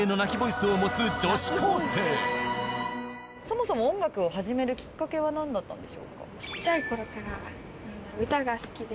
そもそも音楽を始めるきっかけはなんだったんでしょうか？